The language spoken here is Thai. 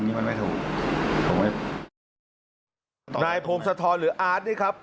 นี่มันไม่ถูกถูกไหมนายภูมิสะท้อนหรืออาร์ตนี่ครับ